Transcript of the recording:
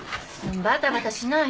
バタバタしない。